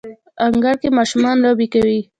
انګړ کې ماشومان لوبې کوي